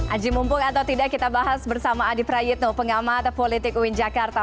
aji mumpung atau tidak kita bahas bersama adi prayitno pengamat politik uin jakarta